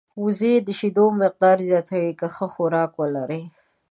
وزې د شیدو مقدار زیاتوي که ښه خوراک ولري